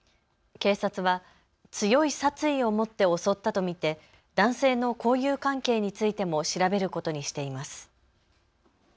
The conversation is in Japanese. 警察は強い殺意を持って襲ったと見て男性の交友関係についても調べることにしています。